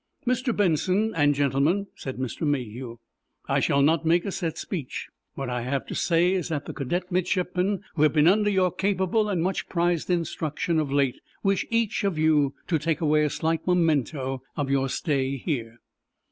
"Mr. Benson and gentlemen," said Mr. Mayhew, "I shall not make a set speech. What I have to say is that the cadet midshipmen who have been under your capable and much prized instruction of late wish each of you to take away a slight memento of your stay here."